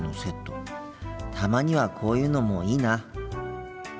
たまにはこういうのもいいな。